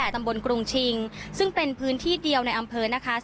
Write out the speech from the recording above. ตำบลกรุงชิงซึ่งเป็นพื้นที่เดียวในอำเภอนะคะ